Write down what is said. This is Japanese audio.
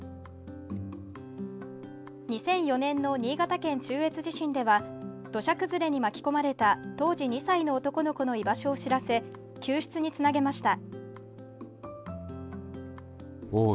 ２００４年の新潟県中越地震では土砂崩れに巻き込まれた当時２歳の男の子の居場所を知らせ、救出につなげました。